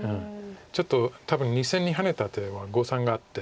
ちょっと多分２線にハネた手は誤算があって。